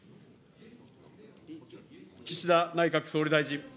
岸田内閣総理大臣。